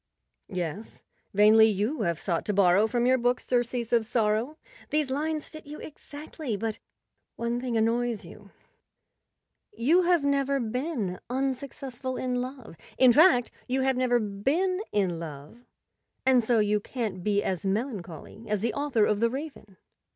Yes, "vainly you have sought to borrow from your books surcease of sorrow." These lines fit you ex¬ actly, but one thing annoys you. You have never been unsuccessful in love—in fact, you have never been in love, and so you can't be as melancholy as the author of "The Raven."